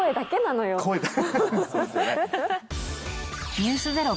「ｎｅｗｓｚｅｒｏ」